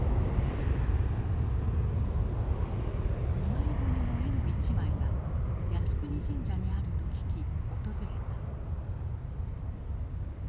２枚組の絵の一枚が靖国神社にあると聞き訪れた。